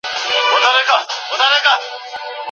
د خلعي په صورت کي به ميرمن مصارف پرې کوي.